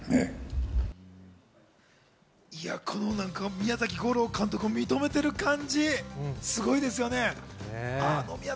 宮崎吾朗監督を認めている感じ、すごいですよね。